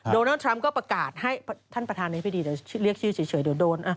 โดนัลดทรัมป์ก็ประกาศให้ท่านประธานนี้ไม่ดีเดี๋ยวเรียกชื่อเฉยเดี๋ยวโดน